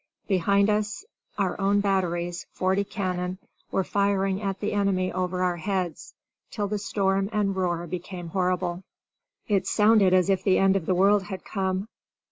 Behind us our own batteries (forty cannon) were firing at the enemy over our heads, till the storm and roar became horrible. It sounded as if the end of the world had come.